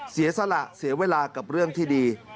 เสียสละเสียเวลากับเรื่องที่ดี